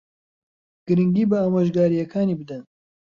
گرنگی بە ئامۆژگارییەکانی بدەن.